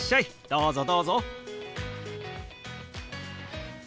どうぞどうぞ。